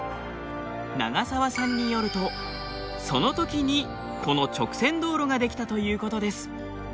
長沢さんによるとそのときにこの直線道路が出来たということです。